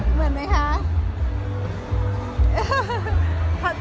เหมือนไหมคะ